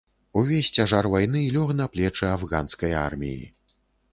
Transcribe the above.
Увесь цяжар вайны лёг на плечы афганскай арміі.